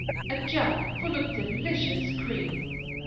A jug full of delicious cream.